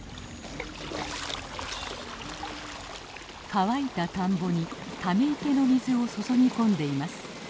乾いた田んぼにため池の水を注ぎ込んでいます。